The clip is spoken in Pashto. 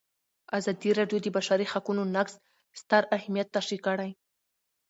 ازادي راډیو د د بشري حقونو نقض ستر اهميت تشریح کړی.